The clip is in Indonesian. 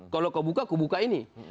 kalau kau buka aku buka ini